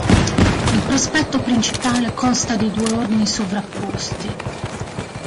Il prospetto principale consta di due ordini sovrapposti.